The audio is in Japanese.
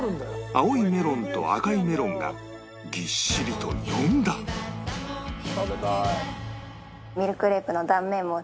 青いメロンと赤いメロンがぎっしりと４段食べたい。